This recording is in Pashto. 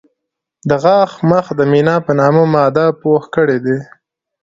د غاښ مخ د مینا په نامه ماده پوښ کړی دی.